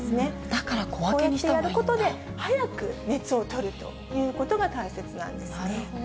だから小分けにしたほうがいということで、早く熱を取るということが大切なんですね。